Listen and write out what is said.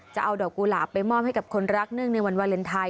จะเอาดอกกุหลาบไปมอบให้กับคนรักเนื่องในวันวาเลนไทย